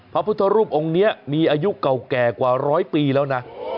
พระพุทธรูปองค์นี้มีอายุเก่าแก่กว่าร้อยปีแล้วนะ